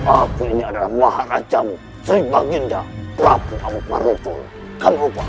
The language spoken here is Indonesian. aku ini adalah maharaja mujibahinda prabowo amuk marugul kamu lupa saya lupa prabowo